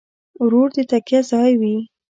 ورور د تکیه ځای وي.